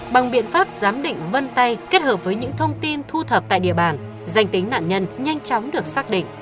bằng biện pháp giám định vân tay kết hợp với những thông tin thu thập tại địa bàn danh tính nạn nhân nhanh chóng được xác định